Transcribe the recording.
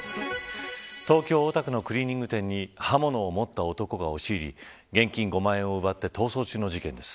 東京、大田区のクリーニング店に刃物を持った男が押し入り現金５万円を奪って逃走中の事件です。